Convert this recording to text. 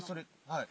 はい。